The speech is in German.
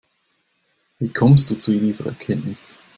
Wie kommst du zu dieser Erkenntnis?